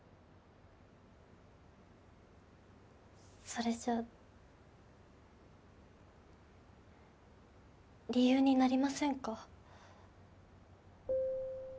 それじゃ理由になりませんか？